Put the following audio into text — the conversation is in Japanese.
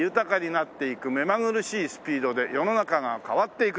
「目まぐるしいスピードで世の中が変わっていく」